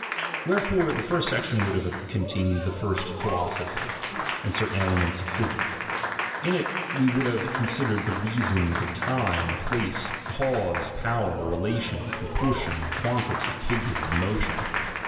Wherefore the first section would have contmned the first philosophy, and certain elements of pliysic ; in it we would have considered the reasons of time, place, cause, power, relation, proportion, quan tity, figure, and motion.